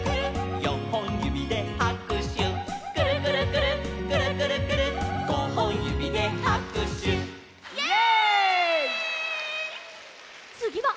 「よんほんゆびではくしゅ」「くるくるくるっくるくるくるっごほんゆびではくしゅ」イエイ！